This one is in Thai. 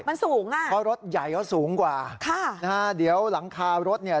มันสูงอ่ะเพราะรถใหญ่เขาสูงกว่าค่ะนะฮะเดี๋ยวหลังคารถเนี่ย